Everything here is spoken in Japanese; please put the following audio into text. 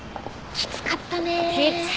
きつかった。